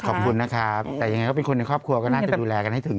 ขอบคุณนะครับแต่ยังไงก็เป็นคนในครอบครัวก็น่าจะดูแลกันให้ถึง